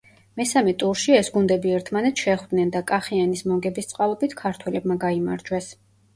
მესამე ტურში ეს გუნდები ერთმანეთს შეხვდნენ და კახიანის მოგების წყალობით ქართველებმა გაიმარჯვეს.